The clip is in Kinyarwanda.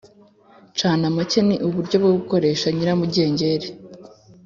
canamake ni uburyo bwo gukoresha nyiramugengeri